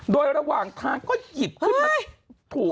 โดยระหว่างทางก็หยิบขึ้นมาถูก